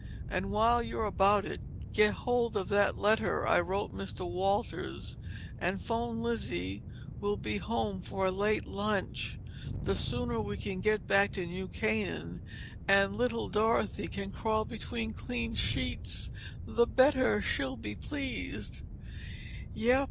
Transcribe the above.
"And while you're about it, get hold of that letter I wrote Mr. Walters and phone Lizzy we will be home for a late lunch. The sooner we can get back to New Canaan and Little Dorothy can crawl between clean sheets, the better she'll be pleased!" "Yep.